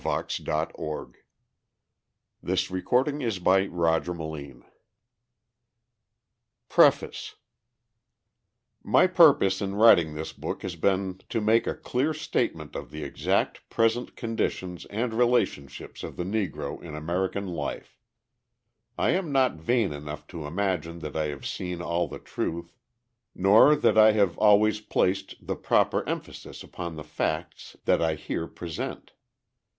De Tocqueville, "Democracy in America" (1835) PREFACE My purpose in writing this book has been to make a clear statement of the exact present conditions and relationships of the Negro in American life. I am not vain enough to imagine that I have seen all the truth, nor that I have always placed the proper emphasis upon the facts that I here present.